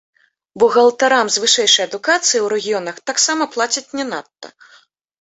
Бухгалтарам з вышэйшай адукацыяй у рэгіёнах таксама плацяць не надта.